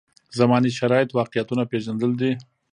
زمانې شرایط واقعیتونه پېژندل دي.